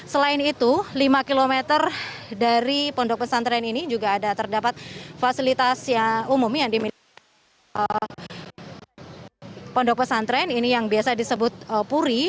selain itu lima km dari pondok pesantren ini juga ada terdapat fasilitas umum yang dimiliki pondok pesantren ini yang biasa disebut puri